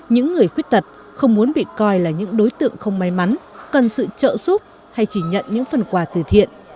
những người khuyết tật không muốn bị coi là những đối tượng không may mắn cần sự trợ giúp hay chỉ nhận những phần quà từ thiện